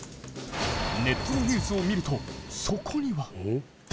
ネットのニュースを見るとそこには。